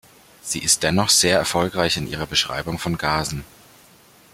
Sie ist dennoch sehr erfolgreich in ihrer Beschreibung von Gasen.